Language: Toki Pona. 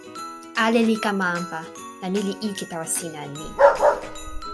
ale li kama anpa, la ni li ike tawa sina en mi.